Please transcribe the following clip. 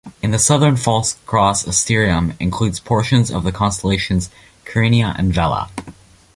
In the southern False Cross asterism includes portions of the constellations Carina and Vela.